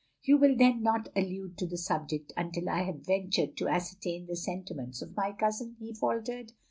" You will then not allude to the subject until I have ventured to ascertain the sentiments of my cousin?" he faltered.